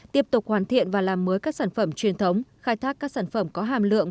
tiếp tục hoàn thiện và làm mới các sản phẩm truyền thống khai thác các sản phẩm có hàm lượng